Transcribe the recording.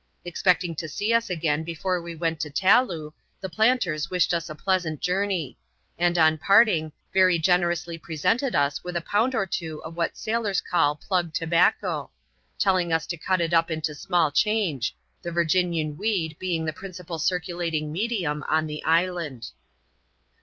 Expecting to see us again before we went to Taloo, the planters wished us a pleasant journey ; and on parting, very generously presented us with a pound or two of what sailora call " plug " tobacco ; telling us to cut it up into small change ; the Virginian weed being the principal circulating medium on the island.